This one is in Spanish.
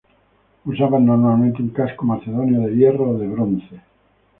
Usaban normalmente un casco macedonio de hierro o de bronce.